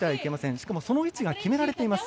しかも、その位置が決められています。